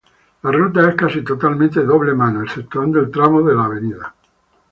La ruta es casi totalmente doble mano, exceptuando el tramo de la av.